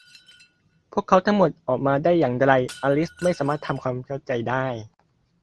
พวกเขาทั้งหมด ออกมาได้อย่างไร อลิสไม่สามารถทำความเข้าใจได้